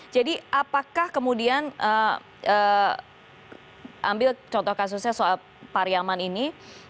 jadi apakah kemudian ambil contoh kasusnya soal pariaman ini